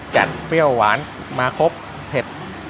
แก็ดเพรี่ยวหวานมาครบเผ็ด